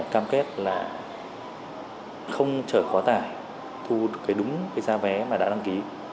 cam kết là không trở khó tải thu đúng cái giá vé mà đã đăng ký